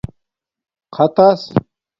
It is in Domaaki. خطَس